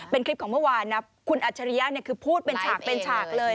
เป็นคลิปของเมื่อวานคุณอัชริยะคือพูดเป็นฉากเลย